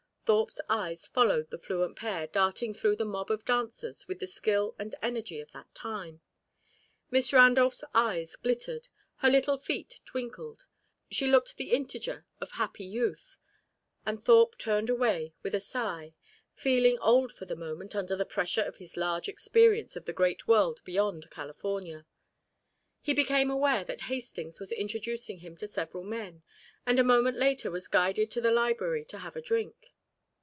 Thorpe's eyes followed the fluent pair darting through the mob of dancers with the skill and energy of that time. Miss Randolph's eyes glittered, her little feet twinkled. She looked the integer of happy youth; and Thorpe turned away with a sigh, feeling old for the moment under the pressure of his large experience of the great world beyond California. He became aware that Hastings was introducing him to several men, and a moment later was guided to the library to have a drink.